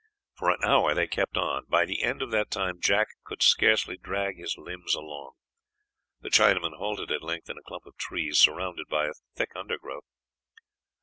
For an hour they kept on. By the end of that time Jack could scarcely drag his limbs along. The Chinaman halted at length in a clump of trees surrounded by a thick undergrowth.